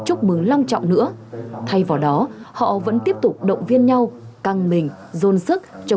chúc mừng long trọng nữa thay vào đó họ vẫn tiếp tục động viên nhau căng mình dồn sức cho